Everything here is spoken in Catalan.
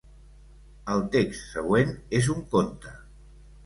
El text següent és un conte.